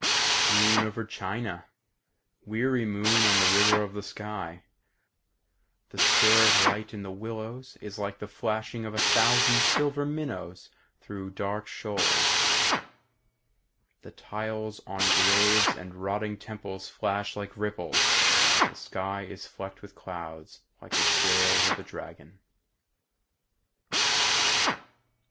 "Moon over China, Weary moon on the river of the sky, The stir of light in the willows is like the flashing of a thousand silver minnows Through dark shoals; The tiles on graves and rotting temples flash like ripples, The sky is flecked with clouds like the scales of a dragon."